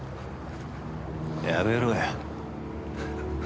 やめろよ。